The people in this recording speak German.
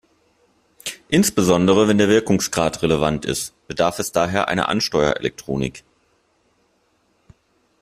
Insbesondere wenn der Wirkungsgrad relevant ist, bedarf es daher einer Ansteuerungselektronik.